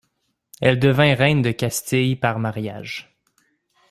Elle devint reine de Castille par mariage.